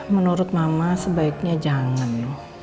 menurut mama sebaiknya jangan